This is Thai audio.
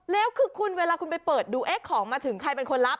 แล้วคือคุณเวลาคุณไปเปิดดูเอ๊ะของมาถึงใครเป็นคนรับ